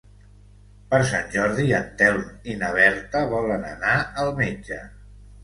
Per Sant Jordi en Telm i na Berta volen anar al metge.